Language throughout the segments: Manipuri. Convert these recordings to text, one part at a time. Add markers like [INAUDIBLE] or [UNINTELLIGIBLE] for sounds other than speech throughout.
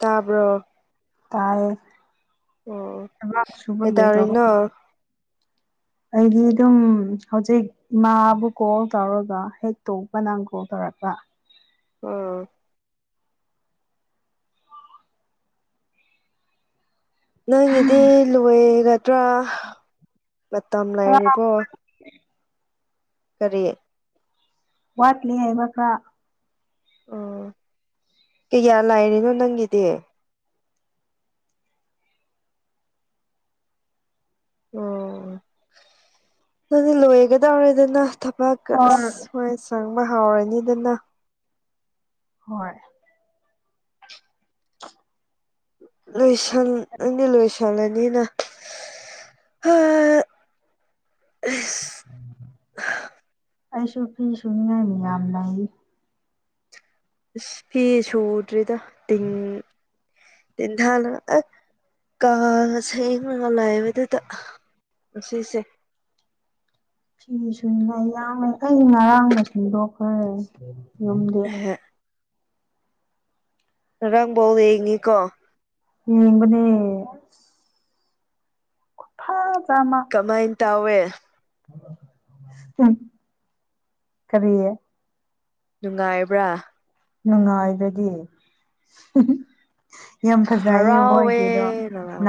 ꯇꯕꯣ ꯇꯥꯏ ꯑꯣ [UNINTELLIGIBLE] ꯀꯩꯗꯧꯔꯤꯅꯣ ꯑꯩꯗꯤ ꯑꯗꯨꯝ ꯍꯧꯖꯤꯛ ꯏꯃꯥꯕꯨ ꯀꯣꯜ ꯇꯧꯔꯒ ꯍꯦꯛ ꯇꯣꯛꯄ ꯅꯪ ꯀꯣꯜ ꯇꯧꯔꯛꯄ ꯑꯣꯝ ꯅꯪꯒꯤꯗꯤ ꯂꯣꯏꯒꯗ꯭ꯔꯥ ꯃꯇꯝ ꯈꯔ ꯂꯩꯔꯤꯕꯣ ꯀꯔꯤ ꯋꯥꯠꯂꯤ ꯍꯥꯏ ꯃꯈ ꯀ ꯑꯣ ꯀꯩ ꯀꯌꯥ ꯂꯥꯏꯔꯤꯅꯣ ꯅꯪꯒꯤꯗꯤ ꯑꯣ ꯑꯗꯨꯗꯤ ꯂꯣꯏꯒꯗꯧꯔꯦꯗꯅ ꯃꯥ ꯑ ꯍꯣꯏ ꯁ꯭ꯋꯥꯏ ꯆꯪꯕ ꯍꯥꯎꯔꯅꯤꯗꯅ ꯍꯣꯏ ꯂꯣꯏꯁ ꯅꯪꯗꯤ ꯂꯣꯏꯁꯜꯂꯅꯤꯅ [UNINTELLIGIBLE] ꯑꯩꯁꯨ ꯐꯤ ꯁꯨꯅꯤꯡꯉꯥꯏ ꯃꯤ ꯌꯥꯝ ꯂꯩꯔꯤ ꯐꯤ ꯁꯨꯗ꯭ꯔꯤꯗ ꯇꯤꯟ ꯇꯦꯟꯊꯥꯜꯂꯒ ꯑꯁ ꯀꯥꯒ ꯁꯦꯡꯉꯒ ꯂꯥꯏꯕꯗꯨꯗ ꯁꯤꯁꯦ ꯐꯤ ꯁꯨꯏꯅ ꯌꯥꯡꯅꯩ ꯑꯩ ꯉꯔꯥꯡꯅ ꯁꯤꯟꯗꯣꯛꯈ꯭ꯔꯦ ꯌꯨꯝꯗꯦ ꯉꯔꯥꯡ ꯕꯣꯜ ꯌꯦꯡꯉꯤꯀꯣ ꯌꯦꯡꯕꯅꯦ ꯐꯥ ꯖꯃ ꯀꯃꯥꯏꯅ ꯇꯧꯋꯦ ꯀꯔꯤ ꯅꯨꯡꯉꯥꯏꯕ꯭ꯔꯥ ꯅꯨꯡꯉꯥꯏꯕꯗꯤ ꯌꯥꯝ ꯐꯖꯩꯌꯦ ꯍꯔꯥꯎꯋꯦ ꯃꯣꯏꯒꯤꯗꯣ ꯅꯔꯥꯎ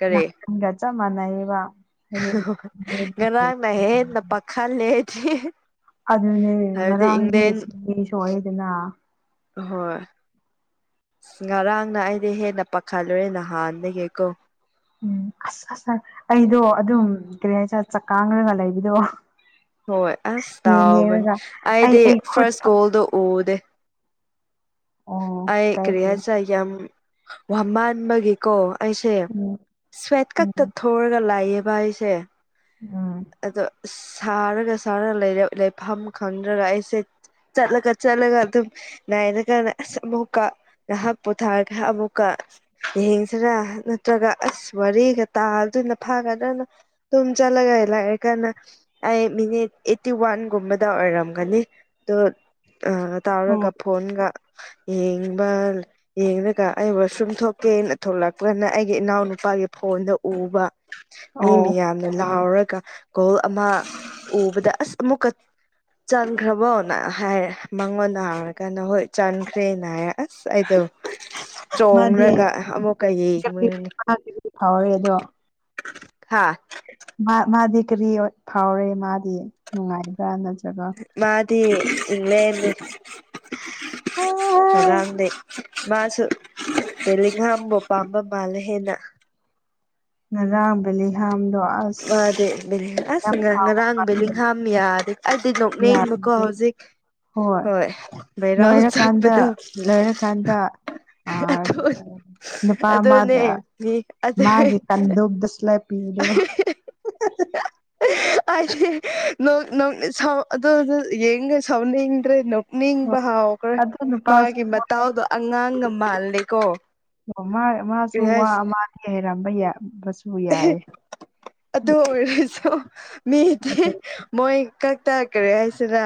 ꯀꯔꯤ ꯆꯞ ꯃꯥꯟꯅꯩꯕ ꯔꯥꯡꯅ ꯍꯦꯟꯅ ꯄꯈꯠꯂꯦ ꯑꯩꯗꯤ ꯑꯗꯨꯅꯦ ꯍꯥꯏꯕꯗꯤ ꯏꯪꯂꯦꯟ ꯉꯔꯥꯡꯗꯤꯁꯨ ꯑꯦꯗꯅ ꯍꯣꯏ ꯉꯔꯥꯡꯅ ꯑꯩꯗꯤ ꯍꯦꯟꯅ ꯄꯥꯈꯠꯂꯨꯔꯦ ꯅꯍꯥꯟꯗꯒꯤꯀꯣ ꯎꯝ ꯑꯁ ꯑꯁ ꯑꯩꯗꯣ ꯑꯗꯨꯝ ꯀꯔꯤ ꯍꯥꯏꯇꯥꯔ ꯆꯥꯛ ꯀꯥꯡꯈꯒ ꯂꯩꯕꯗꯣ ꯍꯣꯏ ꯑꯁ ꯌꯦꯡ ꯇꯥꯕꯅꯤ ꯌꯦꯡꯔꯒ ꯑꯩ ꯑꯩꯗꯤ ꯑꯩ ꯈꯨꯠ ꯐꯥꯔꯁ ꯀꯣꯜꯗꯣ ꯎꯗꯦ ꯑꯣ ꯑꯩ ꯀꯔꯤ ꯀꯥꯏꯗꯦ ꯍꯥꯢꯁꯤꯔ ꯌꯥꯝ ꯋꯃꯥꯟꯕꯒꯤ ꯀꯣ ꯑꯩꯁꯦ ꯎꯝ ꯁ꯭ꯋꯦꯠ ꯀꯛꯇ ꯎꯝ ꯊꯣꯔꯒ ꯂꯥꯛꯑꯦꯕ ꯑꯩꯁꯦ ꯎꯝ ꯑꯗꯣ ꯁꯥꯔꯒ ꯁꯥꯔꯒ ꯂꯩꯐꯝ ꯈꯪꯗ꯭ꯔꯒ ꯑꯩꯁꯦ ꯆꯠꯂꯒ ꯆꯠꯂꯒ ꯑꯗꯨꯝ ꯅꯥꯏꯅ ꯀꯥꯟꯅ ꯑꯁ ꯑꯃꯨꯛꯀ ꯉꯥꯏꯍꯥꯛ ꯄꯣꯊꯥꯔꯒ ꯑꯃꯨꯛꯀ ꯌꯦꯡꯁꯤꯔ ꯅꯠꯇ꯭ꯔꯒ ꯑꯁ ꯋꯥꯔꯤꯒ ꯇꯥꯗꯣꯏꯅ ꯐꯥꯒꯗ꯭ꯔꯅ ꯇꯨꯝ ꯆꯠꯂꯒ [UNINTELLIGIBLE] ꯑꯩ ꯃꯤꯅꯤꯠ ꯑꯩꯠꯇꯤ ꯋꯥꯟꯒꯨꯝꯕꯗ ꯑꯣꯏꯔꯝꯒꯅꯤ ꯑꯗꯣ ꯎꯝ ꯑꯣ ꯇꯥꯎꯔꯒ ꯐꯣꯟꯒ ꯌꯦꯡꯕ ꯌꯦꯡꯒ ꯑꯩꯕꯨ ꯁꯨꯝ ꯊꯣꯛꯀꯦꯅ ꯊꯣꯛꯂꯛꯄꯅ ꯑꯩꯒꯤ ꯏꯅꯥꯎꯅꯨꯄꯥꯒꯤ ꯐꯣꯟꯗ ꯎꯕ ꯃꯤ ꯑꯣ ꯃꯌꯥꯝꯅ ꯂꯥꯎꯔꯒ ꯒꯣꯜ ꯑꯃ ꯎꯕꯗ ꯑꯁ ꯑꯃꯨꯛꯀ ꯆꯟꯈ꯭ꯔꯕꯣꯅ ꯍꯥꯏꯔ ꯃꯉꯣꯟꯗ ꯍꯥꯏꯔꯀꯥꯟꯗ ꯍꯣꯏ ꯆꯟꯈ꯭ꯔꯦꯅ ꯍꯥꯏꯔ ꯑꯁ ꯑꯩꯗꯣ ꯃꯥꯗꯤ ꯆꯣꯡꯡꯔꯒ ꯑꯃꯨꯛꯀ ꯀꯔꯤ ꯌꯦꯡꯉꯣꯏꯅꯤ ꯐꯥꯎꯔꯦ ꯑꯗꯣ ꯍꯥꯥ ꯃꯥꯗꯤ ꯀꯔꯤ ꯐꯥꯎꯔꯦ ꯃꯥꯗꯤ ꯅꯨꯡꯉꯥꯏꯕ꯭ꯔꯥ ꯅꯠꯇ꯭ꯔꯕ ꯃꯥꯗꯤ [UNINTELLIGIBLE] ꯀꯔꯥꯡꯗꯩ ꯃꯥꯁꯨ ꯕꯦꯂꯤꯈꯥꯝꯕꯨ ꯄꯥꯝꯕ ꯃꯥꯜꯂꯦ ꯍꯦꯟꯅ ꯉꯔꯥꯡ ꯕꯦꯜꯂꯤꯡꯒꯝꯗꯣ ꯃꯥꯗꯤ ꯑꯁ ꯕꯦꯂꯤꯡ ꯑꯁ ꯌꯥꯝ ꯁꯥꯎꯕ ꯉꯔꯥꯡ ꯃꯥꯜꯂꯦ ꯕꯦꯂꯤꯡꯍꯥꯝ ꯌꯥꯗꯦ ꯑꯗꯨꯗꯤ ꯅꯣꯛꯅꯤꯡꯕꯀꯣ ꯌꯥꯝꯗꯦ ꯍꯧꯖꯤꯛ ꯍꯣꯏ ꯚꯥꯏꯔꯥꯜ ꯂꯣꯏꯔꯀꯥꯟꯗ ꯆꯠꯄꯗꯣ ꯂꯣꯏꯔꯀꯥꯟꯗ ꯑ ꯑꯗꯨ ꯅꯨꯄꯥ ꯑꯃ ꯑꯗꯨꯅꯦ ꯃꯤ ꯑꯗꯨ ꯃꯥꯒꯤ ꯀꯟꯗꯨꯕꯗꯨ ꯃꯤꯡꯗꯣ ꯑ ꯑꯦ ꯑꯗꯨ ꯌꯦꯡ ꯁꯥꯎꯅ ꯏꯗ꯭ꯔꯦ ꯅꯤꯡꯕ ꯍꯥꯎꯈ꯭ꯔꯦ ꯑꯗꯨ ꯅꯨꯄꯥꯁꯨ ꯃꯥꯒꯤ ꯃꯇꯥꯎꯗꯣ ꯑꯉꯥꯡꯒ ꯃꯥꯜꯂꯦꯀꯣ ꯑꯣ ꯃꯥ ꯃꯥꯁꯨ ꯀꯔꯤ ꯋꯥ ꯑꯃꯗꯤ ꯍꯥꯏꯔꯝꯕ ꯌꯥꯕ ꯑꯦ ꯑꯗꯨ ꯑꯣꯏꯔꯁꯨ ꯃꯤꯗꯤ ꯃꯣꯏ ꯀꯛ ꯇꯔꯛ ꯀꯔꯤ ꯍꯥꯏꯁꯤꯔ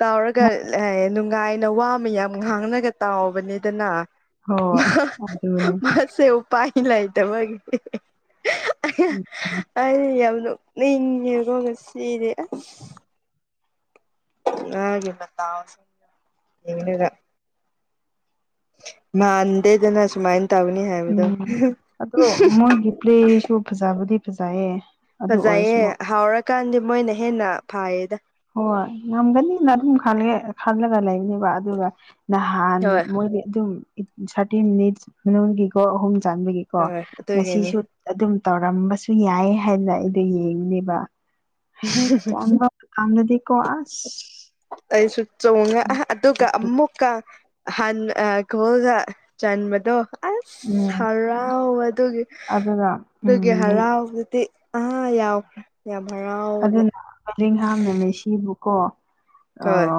ꯇꯥꯎꯔꯒ ꯅꯨꯡꯉꯥꯏꯅ ꯋꯥꯃ ꯌꯥꯝ ꯉꯥꯡꯅꯒ ꯇꯥꯎꯕꯅꯤꯗꯅ ꯍꯣꯏ ꯑꯗꯨꯅꯦ ꯃꯁꯦ ꯎꯄꯥꯢ ꯂꯩꯇꯕꯒꯤ ꯑꯗꯨꯅꯦ ꯑꯩꯩꯅ ꯌꯥꯝ ꯅꯣꯛꯅꯤꯡꯉꯦꯀꯣ ꯉꯁꯤꯗꯤ ꯑꯁ [UNINTELLIGIBLE] ꯃꯥꯟꯗꯦꯗꯅ ꯁꯨꯃꯥꯏ ꯎꯝ ꯑꯗꯣ ꯃꯣꯏꯒꯤ ꯄ꯭ꯂꯦꯁꯨ ꯐꯖꯕꯨꯗꯤ ꯐꯖꯩꯌꯦ ꯑꯗꯨ ꯑꯣꯏꯔꯁꯨ ꯐꯖꯩꯌꯦ ꯍꯥꯎꯔꯀꯥꯟꯗꯤ ꯃꯣꯏꯅ ꯍꯦꯟꯅ ꯐꯥꯏꯌꯦꯗ ꯍꯣꯏ ꯉꯝꯒꯅꯤꯅ ꯑꯗꯨꯝ ꯈꯜꯂꯦ ꯈꯜꯂꯒ ꯂꯩꯕꯅꯦꯕ ꯑꯗꯨꯒ ꯅꯍꯥꯟ ꯍꯣꯏ ꯃꯣꯏꯗꯤ ꯑꯗꯨꯝ ꯊꯥꯔꯇꯤ ꯃꯤꯅꯤꯠꯁ ꯃꯅꯨꯡꯒꯤꯀꯣ ꯑꯍꯨꯝ ꯆꯥꯟꯕꯒꯤꯀꯣ ꯍꯣꯏ ꯑꯗꯨꯒꯤꯅꯤ ꯉꯁꯤꯁꯨ ꯑꯗꯨꯝ ꯇꯧꯔꯝꯕꯁꯨ ꯌꯥꯏ ꯍꯥꯏꯅ ꯑꯩꯗꯣ ꯌꯦꯡꯕꯅꯦꯕ ꯍꯦꯛ ꯆꯪꯕ ꯉꯝꯃꯗꯤꯀꯣ ꯑꯁ ꯑꯩꯁꯨ ꯆꯣꯡꯉꯦ ꯑꯗꯨꯒ ꯑꯃꯨꯛ ꯀ ꯍꯟ ꯑ ꯀꯣꯜꯒ ꯆꯟꯕꯗꯣ ꯑꯁ ꯎꯝ ꯍꯔꯥꯎ ꯑꯗꯨꯒꯤ ꯑꯗꯨꯒ ꯑꯗꯨꯒꯤ ꯎꯝ ꯍꯔꯥꯎꯕꯗꯤ ꯑ ꯌꯥꯎꯈ꯭ꯔꯦ ꯌꯥꯝ ꯍꯔꯥꯎꯋꯒꯦ ꯕꯦꯜꯂꯤꯡꯒꯝꯅ ꯃꯦꯁꯤ ꯕꯨꯀꯣ ꯍꯣꯏ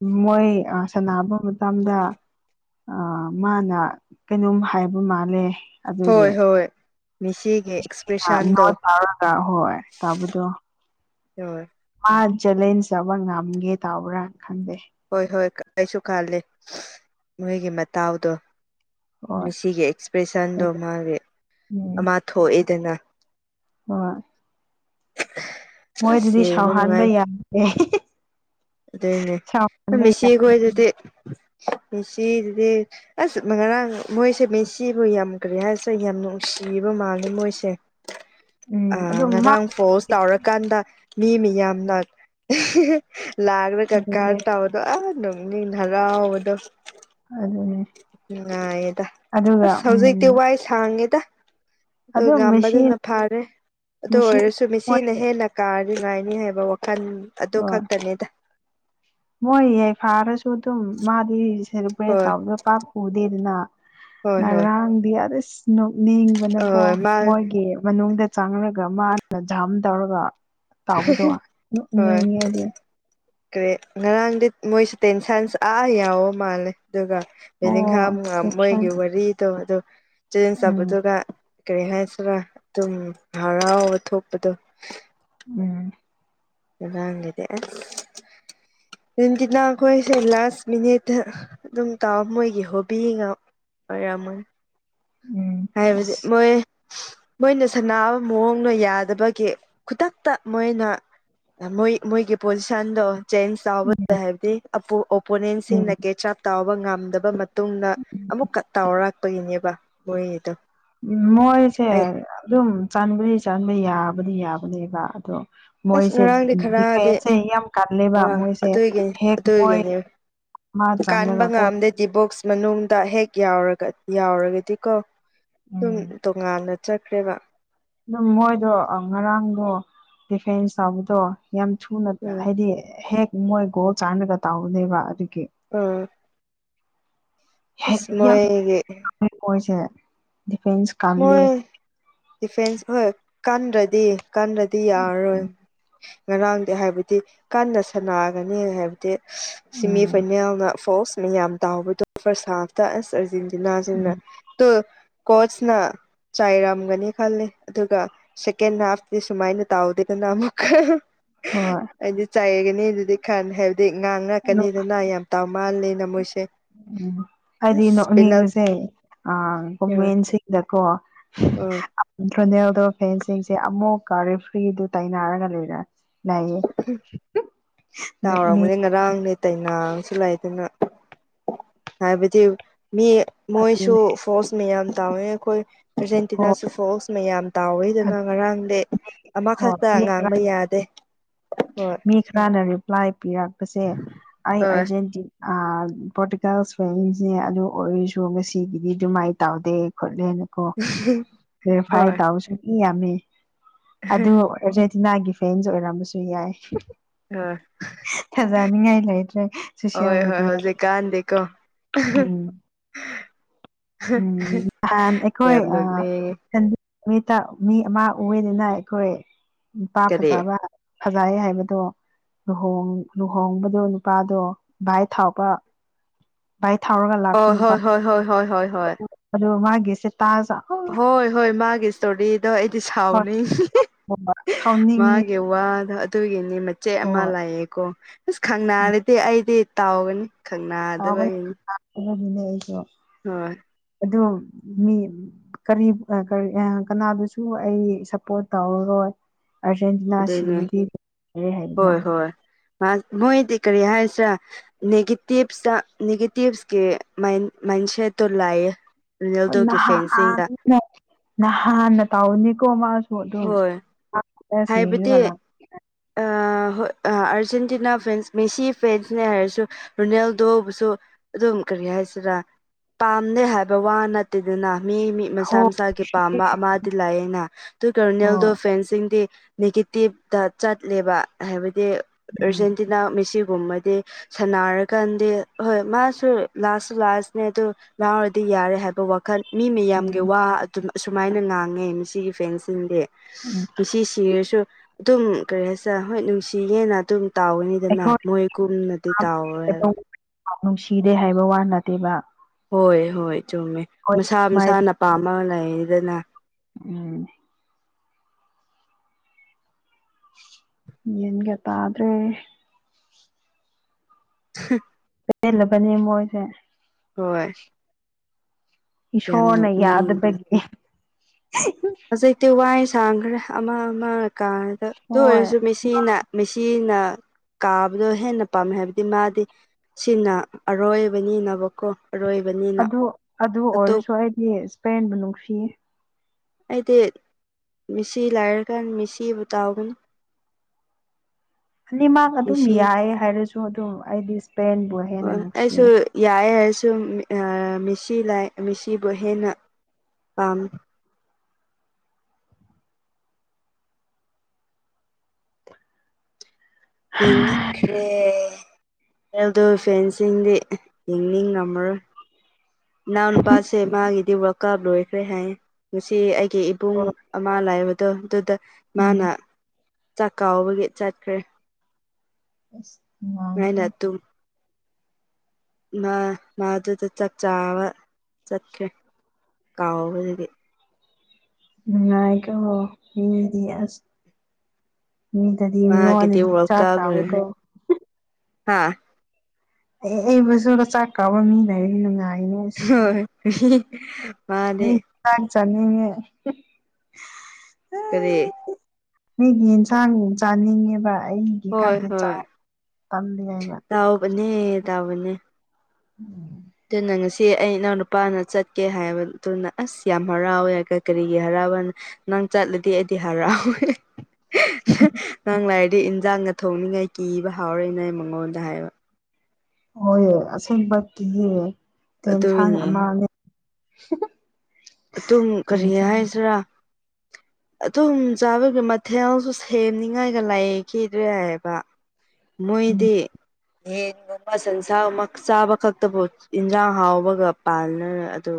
ꯃꯣꯏ ꯁꯥ ꯅꯕ ꯃꯇꯝꯗ ꯃꯥꯅ ꯀꯩꯅꯣꯝ ꯍꯥꯏꯕ ꯃꯥꯜꯂꯦ ꯑꯗꯨꯒꯤ ꯍꯣꯏ ꯍꯣꯏ ꯃꯤꯁꯤ ꯅꯣꯠ ꯇꯥꯔꯒ ꯍꯣꯏ ꯇꯥꯕꯗꯣ ꯍꯣꯏ ꯃꯥ ꯆꯦꯂꯦꯟꯖ ꯑꯃ ꯉꯝꯒꯦ ꯇꯧꯕ꯭ꯔꯥ ꯈꯪꯗꯦ ꯍꯣꯏ ꯍꯣꯏ ꯑꯩꯁꯨ ꯈꯜꯂꯦ ꯃꯣꯏꯒꯤ ꯃꯇꯥꯎꯗꯣ ꯍꯣꯏ ꯃꯤꯁꯤꯒꯤ ꯑꯦꯛꯁꯄ꯭ꯔꯦꯁꯟꯗꯣ ꯃꯥꯒꯤ ꯎꯝ ꯑꯃꯥ ꯊꯣꯛꯑꯦꯗꯅ ꯍꯣꯏ ꯑꯁ ꯃꯣꯏꯗꯨꯗꯤ ꯌꯦꯡꯕ ꯁꯥꯎꯍꯟꯕ ꯌꯥꯗꯦ [UNINTELLIGIBLE] ꯑꯗꯨꯅꯦ ꯁꯥꯎꯍꯟꯕ ꯌꯥ ꯃꯦꯁꯤꯈꯣꯏꯗꯨꯗꯤ ꯃꯦꯁꯤꯗꯨꯗꯤ ꯑꯁ ꯉꯔꯥꯡ ꯃꯣꯏꯁꯦ ꯃꯦꯁꯤꯕꯨ ꯌꯥꯝ ꯀꯔꯤ ꯍꯥꯏꯁꯤꯔ ꯌꯥꯝ ꯅꯨꯡꯁꯤꯕ ꯃꯥꯜꯂꯦ ꯃꯣꯏꯁꯦ ꯎꯝ ꯑ ꯑꯗꯨꯝ ꯃꯥ ꯉꯔꯥꯡ ꯄꯣꯁ ꯇꯧꯔꯀꯥꯟꯗ ꯃꯤ ꯃꯤꯌꯥꯝꯅ ꯂꯥꯛꯔꯒ ꯑꯗꯨꯅꯦ ꯒꯥꯔꯠ ꯇꯧ ꯑ ꯅꯣꯛꯅꯤꯡ ꯍꯔꯥꯎꯕꯗꯣ ꯑꯗꯨꯅꯦ ꯅꯨꯡꯉꯥꯏꯌꯦꯗ ꯑꯗꯨꯒ ꯑꯁ ꯎꯝ ꯍꯧꯖꯤꯛꯇꯤ ꯋꯥꯏ ꯁꯥꯡꯉꯦꯗ ꯑꯗꯨ ꯑꯗꯨꯝ ꯃꯦꯁꯤ ꯉꯝꯕꯗꯨꯅ ꯐꯥꯔꯦ ꯑꯗꯨ ꯃꯦꯁꯤ ꯑꯣꯏꯔꯁꯨ ꯃꯣꯏ ꯃꯤꯁꯤꯅ ꯍꯦꯅ ꯀꯥꯔꯗꯤ ꯅꯨꯡꯉꯥꯏꯅꯤ ꯍꯥꯏꯕ ꯋꯥꯈꯜ ꯑꯗꯨ ꯍꯣꯏ ꯈꯛꯇꯅꯤꯗ ꯃꯣꯏ ꯀꯥꯔꯁꯨ ꯑꯗꯨꯝ ꯃꯥꯗꯤ ꯁꯦꯂꯤꯕ꯭ꯔꯦꯠ ꯍꯣꯏ ꯇꯧꯔꯒ ꯄꯥꯛ ꯎꯗꯦꯗꯅ ꯍꯣꯏ ꯍꯣꯏ ꯉꯔꯥꯡꯗꯤ ꯑꯁ ꯅꯣꯛ ꯅꯤꯡꯕꯅꯀꯣ ꯍꯣꯏ ꯃꯥ ꯃꯣꯏꯒꯤ ꯃꯅꯨꯡꯗ ꯆꯪꯔꯒ ꯃꯥꯅ ꯖꯥꯝ ꯇꯧꯔꯒ ꯇꯥꯎꯕꯗꯣ ꯅꯣꯛꯅꯤꯡꯉꯦꯗꯤ ꯀ꯭ꯔꯦ ꯉꯔꯥꯡꯗꯤ ꯃꯣꯏꯁꯨꯦ ꯇꯦꯟꯁꯟꯁꯨ ꯑꯥ ꯌꯧꯕ ꯃꯥꯜꯂꯦ ꯑꯗꯨꯒ ꯕꯦꯂꯤꯡꯒꯝ ꯑꯣ ꯇꯦꯟꯁꯟ ꯃꯣꯏꯒꯤ ꯋꯥꯔꯤꯗꯣ ꯑꯗꯨ ꯆꯦꯟꯁ ꯎꯝ ꯇꯧꯕꯗꯨꯒ ꯀꯔꯤ ꯍꯥꯏꯁꯤꯔꯥ ꯑꯗꯨꯝ ꯍꯔꯥꯎꯕ ꯊꯣꯛꯄꯗꯣ ꯎꯝ ꯉꯔꯥꯡꯒꯗꯤ ꯑꯁ ꯅꯦꯟꯒꯤꯅ ꯑꯩꯈꯣꯏꯁꯦ ꯂꯥꯁ ꯃꯤꯅꯤꯠꯇ ꯑꯗꯨꯝ ꯇꯥꯎꯑꯣ ꯃꯣꯏꯒꯤ ꯍꯣꯕꯤ ꯒ ꯑꯣꯏꯔꯝꯃꯣꯏ ꯎꯝ ꯍꯥꯏꯕꯗꯤ ꯑꯁ ꯃꯣꯏ ꯃꯣꯏꯅ ꯁꯥꯟꯕ ꯃꯑꯣꯡꯗꯣ ꯌꯥꯗꯕꯒꯤ ꯈꯨꯗꯛꯇ ꯃꯣꯏꯅ ꯃꯣꯏ ꯃꯣꯏꯒꯤ ꯄꯣꯖꯤꯁꯟꯗꯣ ꯆꯦꯟꯖ ꯇꯧꯕ ꯎꯝ ꯍꯥꯏꯕꯗꯤ ꯑꯄꯣ ꯑꯣꯄꯣꯅꯦꯟꯁꯤꯡꯅ ꯎꯝ ꯀꯦ ꯆ ꯇꯥꯎꯕ ꯉꯝꯗꯕ ꯃꯇꯨꯡꯗ ꯑꯃꯨꯛꯀ ꯇꯥꯎꯔꯛꯄꯒꯤꯅꯦꯕ ꯃꯣꯏꯒꯤꯗꯣ ꯎꯝ ꯃꯣꯏꯁꯦ ꯑꯩ ꯑꯗꯨꯝ ꯆꯟꯕꯗꯤ ꯆꯟꯕ ꯌꯥꯕꯗꯤ ꯌꯥꯕꯅꯦꯕ ꯑꯗꯣ ꯑꯁ ꯃꯣꯏꯁꯦ ꯉꯔꯥꯡꯗꯤ ꯈꯔꯗꯤ ꯗꯤꯐꯦꯟꯁꯦ ꯌꯥꯝ ꯀꯟꯂꯦꯕ ꯋꯥ ꯃꯣꯏꯁꯦ ꯑꯗꯨꯒꯤ ꯍꯦꯛ ꯃꯣꯏ ꯑꯗꯨꯒꯤꯅꯦ ꯃꯥ ꯆꯜꯂꯒ ꯀꯣ ꯗꯤ ꯕꯣꯛꯁ ꯃꯅꯨꯡꯗ ꯍꯦꯛ ꯌꯥꯎꯔꯒ ꯌꯥꯎꯔꯒꯗꯤꯀꯣ ꯑꯗꯨꯨꯝ ꯎꯝ ꯇꯣꯉꯥꯟꯅ ꯆꯠꯈ꯭ꯔꯦꯕ ꯑꯗꯨꯝ ꯃꯣꯏꯗꯣ ꯑ ꯉꯔꯥꯡꯗꯣ ꯗꯤꯐꯦꯟꯁ ꯇꯧꯕꯗꯣ ꯌꯥꯝ ꯊꯨꯅ ꯎꯝ ꯍꯥꯏꯗꯤ ꯍꯦꯛ ꯃꯣꯏ ꯒꯣꯜ ꯆꯥꯟꯔꯒ ꯇꯥꯎꯕꯅꯦꯕ ꯑꯗꯨꯒꯤ ꯎꯝ ꯍꯦ ꯑꯁ ꯌꯥꯝ ꯃꯣꯏꯒꯤ ꯃꯣꯏꯁꯦ ꯗꯤꯐꯦꯟꯁ ꯀꯜꯂꯤ ꯃꯣꯏ ꯗꯤꯐꯦꯟꯁ ꯍꯣꯏ ꯀꯟꯗ꯭ꯔꯗꯤ ꯀꯟꯗ꯭ꯔꯗꯤ ꯌꯥꯔꯔꯣꯏ ꯉꯔꯥꯡꯗꯤ ꯍꯥꯏꯕꯗꯤ ꯀꯟꯅ ꯁꯥꯟꯅꯒꯅꯤ ꯍꯥꯏꯕꯗꯤ ꯁꯤꯃꯤ ꯎꯝ ꯐꯥꯏꯅꯦꯜꯅ ꯐꯣꯜꯁ ꯃꯌꯥꯝ ꯇꯥꯎꯕꯗꯣ ꯐꯔꯁ ꯍꯥꯞꯇ ꯑꯁ ꯑꯔꯖꯦꯟꯇꯤꯅꯥꯖꯤꯡꯅ ꯎꯝ ꯇꯨ ꯀꯣꯠꯁ ꯅ ꯆꯥꯏꯔꯝꯒꯅꯤ ꯈꯜꯂꯦ ꯑꯗꯨꯒ ꯁꯦꯀꯦꯟ ꯍꯥꯐꯗꯤ ꯁꯨꯃꯥꯏꯅ ꯇꯧꯗꯦꯗꯅ ꯑꯃꯨꯛ ꯍꯣꯏ ꯑꯩꯗꯤ ꯆꯥꯏꯌꯦꯒꯅꯤ ꯗꯨꯗꯤ ꯈꯜꯂꯦ ꯍꯥꯏꯕꯗꯤ ꯉꯥꯡ ꯅꯣꯛ ꯉꯛꯀꯅꯤꯗꯅ ꯌꯥꯝ ꯇꯥꯎ ꯃꯥꯜꯂꯦꯅ ꯃꯣꯏꯁꯦ ꯎꯝ ꯍꯥꯏꯗꯤ ꯑꯁ ꯄꯦꯅꯥꯜ ꯅꯣꯛꯅꯤꯡꯕꯁꯦ ꯑ ꯀꯣꯃꯦꯟꯁꯤꯡꯗꯀꯣ ꯎꯝ ꯗꯣꯅꯦꯜꯗꯣ ꯐꯦꯟꯁꯤꯡꯁꯦ ꯑꯃꯨꯛꯀ ꯔꯦꯐ꯭ꯔꯤꯗꯨ ꯇꯥꯏꯅꯔꯒ ꯂꯩꯔꯦ [UNINTELLIGIBLE] ꯑꯩ ꯉꯔꯥꯡ ꯂꯩ ꯇꯩꯅꯖꯁꯨ ꯂꯩꯥꯗꯅ ꯍꯥꯏꯕꯗꯤ ꯃꯤ ꯃꯣꯏꯁꯨ ꯑꯗꯨꯅꯦ ꯐꯣꯔꯁ ꯃꯌꯥꯝ ꯇꯧꯋꯦ ꯑꯩꯈꯣꯏ ꯑꯥꯔꯖꯦꯟꯇꯤꯅꯥꯁꯨ ꯍꯣꯏ ꯐꯣꯜꯁ ꯃꯌꯥꯝ ꯇꯥꯎꯋꯦꯗꯅ ꯑꯗꯨ ꯉꯔꯥꯡꯗꯤ ꯍꯣꯏ ꯑꯃꯈꯛꯇ ꯃꯤ ꯈꯔ ꯉꯥꯡꯕ ꯌꯥꯗꯦ ꯍꯣꯏ ꯃꯤ ꯈꯔꯅ ꯔꯤꯄ꯭ꯂꯥꯏ ꯄꯤꯔꯛꯄꯁꯦ ꯑꯩ ꯍꯣꯏ ꯑꯥꯔꯖꯦꯟꯇꯤ ꯑ ꯄꯔꯣꯇꯤꯀꯦꯜ ꯐꯦꯁꯅꯤ ꯑꯗꯨ ꯑꯣꯏꯔꯁꯨ ꯉꯁꯤꯒꯤꯗꯤ ꯑꯗꯨꯃꯥꯏ ꯇꯧꯗꯦ ꯈꯣꯠꯂꯦꯅ ꯀꯣ ꯔꯤ ꯐꯥꯏ ꯍꯣꯏ ꯇꯥꯎꯁꯨꯨꯝ ꯏ ꯌꯥꯝꯃꯤ ꯑꯗꯨ ꯑꯔꯖꯦꯟꯇꯤꯅꯥꯒꯤ ꯐꯦꯟꯁ ꯑꯣꯏꯔꯝꯕꯁꯨ ꯌꯥꯏ ꯑ ꯐꯖꯅꯤꯡꯉꯥꯏ ꯂꯩꯇ꯭ꯔꯦ ꯁꯣꯁꯤꯌꯦꯜ ꯍꯣꯏ ꯃꯦꯗꯤꯌꯥꯗ ꯍꯧꯖꯤꯛꯀꯥꯟꯗꯤꯀꯣ ꯎꯝ ꯎꯝ ꯅꯍꯥꯟ ꯑꯩꯈꯣꯏ ꯌꯥꯝ ꯑ ꯅꯣꯛꯅꯤꯡꯉꯦ [UNINTELLIGIBLE] ꯃꯤꯠꯇ ꯃꯤ ꯑꯃ ꯎꯏꯌꯦꯗꯅ ꯑꯩꯈꯣꯏ ꯅꯨꯄꯥ ꯀꯔꯤ ꯐꯖꯕ ꯐꯖꯥꯏ ꯍꯥꯏꯕꯗꯣ ꯂꯨꯍꯣꯡ ꯂꯨꯍꯣꯡꯕꯗꯣ ꯅꯨꯄꯥꯗꯣ ꯚꯥꯏꯠ ꯊꯥꯎꯕ ꯕꯥꯏꯠ ꯊꯥꯎꯔꯒ ꯂꯥꯛꯄ ꯑꯣ ꯍꯣꯏ ꯅꯨꯄꯥꯗꯣ ꯍꯣꯏ ꯍꯣꯏ ꯍꯣꯏ ꯍꯣꯏ ꯍꯣꯏ ꯑꯗꯨ ꯃꯥꯒꯤꯁꯦ ꯇꯖ ꯍꯣꯏ ꯍꯣꯏ ꯃꯥꯒꯤ ꯏꯁꯇꯣꯔꯤꯗꯣ ꯑꯩꯗꯤ ꯑ ꯁꯥꯎꯅꯤꯡꯉꯤ ꯁꯥꯎꯅꯤꯡꯉꯦ ꯃꯥꯒꯤ ꯋꯥꯗ ꯑꯗꯨꯒꯤꯅꯤ ꯃꯆꯦꯠ ꯑꯃ ꯍꯣꯏ ꯂꯩꯑꯦꯀꯣ ꯑꯁ ꯎꯝ ꯈꯪꯅꯔꯗꯤ ꯑꯩꯗꯤ ꯇꯥꯎꯒꯅꯤ ꯈꯪꯅꯥꯗꯕꯒꯤꯅꯤ ꯑꯍꯟꯅꯤꯅꯦ ꯑꯩꯁꯨ ꯍꯣꯏ ꯑꯗꯣ ꯃꯤ ꯀꯔꯤ ꯑ ꯀꯔꯤ ꯀꯅꯥꯕꯨꯁꯨ ꯑꯩ ꯁꯞꯄꯣꯔꯠ ꯇꯧꯔꯔꯣꯏ ꯑꯥꯔꯖꯦꯟꯇꯤꯅꯥ ꯑꯗꯨꯅꯦ ꯁꯤꯔꯗꯤ ꯔꯦ ꯍꯥꯏꯕꯗꯣ ꯐꯔꯥꯟꯁ ꯃꯣꯏꯗꯤ ꯀꯔꯤ ꯍꯥꯏꯁꯤ꯭ꯔꯥ ꯅꯦꯒꯦꯇꯤꯞꯁꯇ ꯅꯦꯒꯦꯇꯤꯞꯁꯀꯤ ꯃꯥꯏꯟ ꯃꯥꯏꯟꯁꯦꯠꯇꯨ ꯂꯥꯏꯌꯦ ꯔꯣꯅꯦꯜꯗꯣꯒꯤ ꯅꯍꯥꯟ ꯐꯦꯟꯁꯤꯡꯗ ꯅꯍꯥꯟꯅ ꯇꯧꯅꯤꯀꯣ ꯃꯥꯁꯨ ꯑꯗꯨꯝ ꯍꯣꯏ ꯍꯥꯏꯕꯗꯤ ꯁꯦꯡꯉꯒ ꯑ ꯂꯥꯛ ꯑ ꯍꯣꯏ ꯑ ꯑꯥꯔꯖꯦꯟꯇꯤꯅꯥ ꯐꯦꯟꯁ ꯃꯦꯁꯤ ꯐꯦꯟꯁꯅꯦ ꯍꯥꯏꯔꯁꯨ ꯔꯣꯅꯦꯜꯗꯣꯕꯨꯁꯨ ꯑꯗꯨꯝ ꯀꯔꯤ ꯍꯥꯏꯁꯤꯔ ꯄꯥꯝꯗꯦ ꯍꯥꯏꯕ ꯋꯥ ꯅꯠ ꯠꯇꯦꯗꯅ ꯃꯤ ꯃꯤ ꯃꯁꯥ ꯍꯣ ꯃꯁꯥꯒꯤ ꯄꯥꯝꯕ ꯑꯃꯗꯤ ꯂꯥꯛꯑꯦꯅ ꯑꯗꯨ ꯗꯔꯣꯅꯦꯜꯗꯣ ꯍꯣꯏ ꯐꯦꯟꯁꯤꯡꯗꯤ ꯅꯦꯒꯦꯇꯤꯞꯇ ꯆꯠꯂꯦꯕ ꯍꯥꯏꯕꯗꯤ ꯎꯝ ꯑꯔꯖꯦꯟꯇꯤꯅꯥ ꯃꯦꯁꯤꯒꯨꯝꯕꯗꯤ ꯁꯥꯟꯅꯔꯀꯥꯟꯗꯤ ꯍꯣꯏ ꯃꯥꯁꯨ ꯂꯥꯁꯁꯨ ꯂꯥꯁꯅꯦ ꯑꯗꯨ ꯉꯥꯎꯔꯗꯤ ꯌꯥꯔꯦ ꯍꯥꯏꯕ ꯋꯥꯈꯟ ꯃꯤ ꯃꯌꯥꯝꯒꯤ ꯎꯝ ꯋꯥ ꯑꯗꯨꯝ ꯑꯁꯨꯃꯥꯏꯅ ꯉꯥꯡꯉꯦ ꯃꯦꯁꯤꯒꯤ ꯐ꯭ꯦꯟꯁꯤꯡꯗꯤ ꯎꯝ ꯃꯤꯁꯤ ꯁꯤꯔꯁꯨ ꯑꯗꯨꯝ ꯀꯔꯤ ꯍꯥꯏꯁꯤꯔ ꯍꯣꯏ ꯅꯨꯡꯁꯤꯌꯦꯅ ꯑꯗꯨꯝ ꯇꯥꯎꯒꯅꯤ ꯗꯨꯗꯤꯅ ꯑꯩꯈꯣꯏ ꯃꯣꯏ ꯒꯨꯝꯅꯗꯤ ꯇꯥꯎꯔꯣꯏ ꯍꯥꯏꯕ ꯅꯨꯡꯁꯤꯗꯦ ꯍꯥꯏꯕ ꯋꯥ ꯅꯠꯇꯦꯕ ꯍꯣꯏ ꯍꯣꯏ ꯆꯨꯝꯃꯦ ꯍꯣꯏ ꯃꯁꯥ ꯃꯥꯏ ꯃꯁꯥꯅ ꯄꯝꯃ ꯂꯩꯌꯦꯗꯅ ꯎꯝ ꯌꯦꯟꯒꯇꯗ꯭ꯔꯦ [UNINTELLIGIBLE] [INAUDIBLE] ꯆꯦꯜꯂꯕꯅꯦ ꯃꯣꯏꯁꯦ ꯍꯣꯏ ꯌꯥꯝ ꯏꯁꯣꯔꯅ ꯅꯣꯛꯅꯤꯡꯕꯅꯤ ꯌꯥꯗꯕꯒꯤ ꯍꯧꯖꯤꯛꯇꯤ ꯋꯥꯏ ꯁꯥꯡꯈ꯭ꯔꯦ ꯑꯃ ꯑꯃ ꯀꯥꯔꯗ ꯑꯗꯨ ꯍꯣꯏ ꯑꯣꯏꯔꯁꯨ ꯃꯤꯁꯤꯅ ꯃꯦꯁꯤꯅ ꯀꯥꯕꯗꯣ ꯍꯦꯟꯅ ꯄꯥꯝꯃꯦ ꯍꯥꯏꯕꯗꯤ ꯃꯥꯗꯤ ꯁꯤꯅ ꯑꯔꯣꯏꯕꯅꯤꯅꯕꯀꯣ ꯑꯔꯣꯏꯕꯅꯤ ꯑꯗꯨ ꯑꯗꯨ ꯑꯣꯏꯔꯁꯨ ꯑꯩꯗꯤ ꯏꯁꯄꯦꯟꯕꯨ ꯅꯨꯡꯁꯤꯌꯦ ꯑꯩꯗꯤ ꯃꯤꯁꯤ ꯂꯥꯏꯔꯀꯥꯟ ꯃꯤꯁꯤꯕꯨ ꯇꯥꯎꯒꯅꯤ ꯑꯅꯤꯃꯛ ꯑꯗꯨꯝ ꯃꯤꯁꯤ ꯌꯥꯏ ꯍꯥꯏꯔꯁꯨ ꯑꯗꯨꯝ ꯑꯩꯗꯤ ꯏꯁꯄꯦꯟꯕꯨ ꯍꯣꯏ ꯍꯦꯟꯅ ꯅꯨꯡꯁꯤꯌꯦ ꯑꯩꯁꯨ ꯌꯥꯏ ꯍꯥꯏꯔꯁꯨ ꯃꯤꯁꯤ ꯂꯥꯏ ꯃꯤꯁꯤꯕꯨ ꯍꯦꯟꯅ ꯄꯥꯝꯃꯤ ꯎ [UNINTELLIGIBLE] [INAUDIBLE] ꯈ꯭ꯔꯦ ꯍꯦꯜꯗꯣ ꯐꯦꯟꯁꯤꯡꯗꯤ ꯌꯦꯡꯅꯤꯡ ꯉꯝꯃꯔꯣꯏ ꯏꯅꯥꯎ ꯅꯨꯄꯥꯁꯦ ꯃꯥꯒꯤꯗꯤ ꯋꯔꯀꯞ ꯂꯣꯏꯈ꯭ꯔꯦ ꯍꯥꯏ ꯉꯁꯤ ꯑꯩꯒꯤ ꯄꯨꯡ ꯍꯣꯏ ꯑꯃ ꯂꯥꯛꯕꯗꯣ ꯑꯗꯨꯗ ꯎꯝ ꯃꯥꯅ ꯆꯥꯛꯀꯥꯎꯕꯒꯤ ꯆꯠꯈ꯭ꯔꯦ ꯏꯁꯁ [INAUDIBLE] ꯃꯅ ꯇꯨ ꯃꯥ ꯃꯥꯗꯨꯗ ꯆꯥꯛ ꯆꯥꯕ ꯆꯠꯈꯦ ꯀꯥꯎꯕꯗꯒꯤ ꯅꯨꯡꯉꯥꯏꯀꯣ ꯍꯗꯤꯑꯁ ꯃꯤꯗꯗꯤ ꯃꯥꯒꯤꯗꯤ ꯅꯉꯣꯟꯅꯗꯤ ꯋꯥꯔꯜ ꯆꯥꯛ ꯊꯀꯣ ꯍꯥꯥ ꯑꯦ ꯑꯩꯕꯨꯁꯨ ꯆꯥꯛ ꯀꯥꯕ ꯃꯤ ꯂꯩ ꯅꯨꯡꯉꯥꯏꯅꯦ ꯍꯣꯏ ꯃꯥꯅꯦ ꯇꯅꯤ ꯆꯉ ꯀꯔꯤ ꯃꯤꯒꯤ ꯌꯦꯟꯁꯥꯡ ꯆꯥꯅꯤꯡꯉꯦꯕ ꯑꯩ ꯒꯤ ꯍꯣꯏ ꯈꯥꯛꯇꯤ ꯍꯣꯏ ꯆꯥꯎ ꯇꯝꯂꯤꯉ ꯍꯥꯏꯕ ꯇꯥꯎꯕꯅꯦ ꯇꯥꯎꯕꯅꯦ ꯎꯝ [UNINTELLIGIBLE] [INAUDIBLE] ꯑꯗꯨꯅ ꯉꯁꯤ ꯑꯩ ꯏꯅꯥꯎ ꯅꯨꯄꯥꯅ ꯆꯠꯀꯦ ꯍꯥꯏꯕꯗꯨꯅ ꯑꯁ ꯌꯥꯝ ꯍꯔꯥꯎꯋꯦ ꯀꯔꯤꯒꯤ ꯍꯔꯥꯎꯕꯅ ꯅꯪ ꯆꯠꯂꯗꯤ ꯑꯩꯗꯤ ꯍꯔꯥꯎꯋꯦ ꯅꯪ ꯂꯥꯏꯔꯤꯗꯤ ꯏꯟꯖꯥꯡꯅ ꯊꯣꯡꯅꯤꯡꯉꯥꯏ ꯀꯤꯕ ꯍꯥꯎꯔꯣꯏꯅ ꯑꯩ ꯃꯉꯣꯟꯗ ꯍꯥꯏꯕ ꯍꯣꯏ ꯑꯁꯦꯡꯕꯀꯤ ꯇꯦꯟꯁꯥꯟ ꯑꯗꯨꯒꯤꯅꯦ ꯑꯃꯅꯦ ꯑꯗꯨꯝ ꯀꯔꯤ ꯇꯦꯟꯁꯟ ꯍꯥꯏꯁꯤꯔꯥ ꯑꯗꯨꯝ ꯆꯥꯕꯒꯤ ꯃꯊꯦꯜꯁꯨ ꯁꯦꯝꯅꯤꯉꯥꯏꯒ ꯂꯩꯈꯤꯗ꯭ꯔꯦ ꯍꯥꯏꯕ ꯃꯣꯏꯗꯤ ꯌꯦꯟꯒꯨꯝꯕ ꯁꯟꯁꯥꯒꯨꯝꯕ ꯆꯥꯕ ꯈꯛꯇꯕꯨ ꯏꯟꯁꯥꯡ ꯍꯥꯎꯕꯒ ꯄꯥꯜꯅ ꯑꯗꯨ